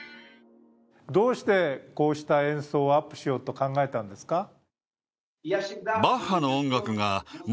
どうしてこうした演奏をアップしようと考えたんですか？